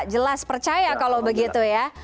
jelas percaya kalau begitu ya